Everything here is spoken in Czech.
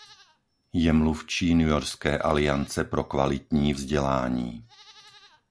Je mluvčí Newyorské aliance pro kvalitní vzdělání.